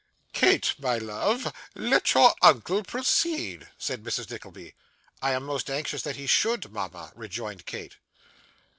'Kate, my love, let your uncle proceed,' said Mrs. Nickleby. 'I am most anxious that he should, mama,' rejoined Kate.